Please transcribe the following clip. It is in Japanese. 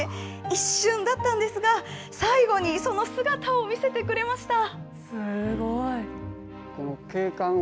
一瞬だったんですが、最後にその姿を見せてくれました。